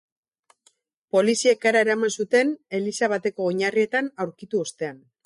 Poliziek hara eraman zuten, eliza bateko oinarrietan aurkitu ostean.